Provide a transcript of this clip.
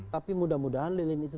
tapi mudah mudahan lilin itu